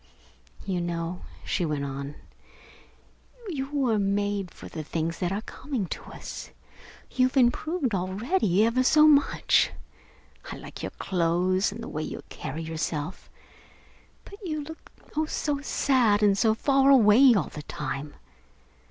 You know," she went on, "you were made for the things that are coming to us. You've improved already, ever so much. I like your clothes and the way you carry yourself. But you look oh, so sad and so far away all the time!